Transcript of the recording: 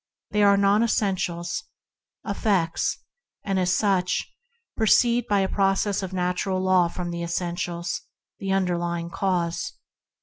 They are non essentials, effects, and, as such, proceed by a process of natural law from the essentials, the underlying cause.